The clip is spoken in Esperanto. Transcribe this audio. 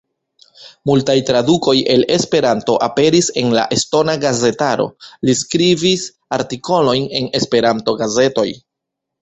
Multaj tradukoj el Esperanto aperis en la estona gazetaro; li skribis artikolojn en Esperanto-gazetoj.